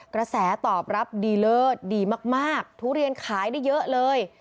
กระแสตอบรับดีเลิศดีมากทุเรียนขายได้เยอะเลย